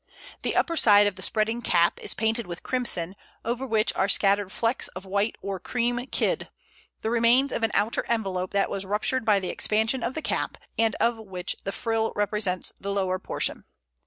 The upper side of the spreading "cap" is painted with crimson, over which are scattered flecks of white or cream kid the remains of an outer envelope that was ruptured by the expansion of the cap, and of which the frill represents the lower portion.